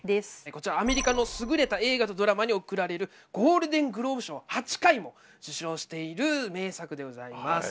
こちらアメリカの優れた映画とドラマに贈られるゴールデングローブ賞８回も受賞している名作でございます。